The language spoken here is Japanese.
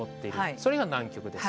それが南極です。